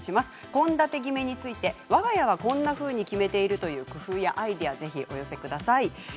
献立ぎめについてわが家はこんなふうに決めているという工夫やアイデアをお寄せください。